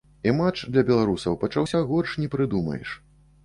І матч для беларусаў пачаўся горш не прыдумаеш.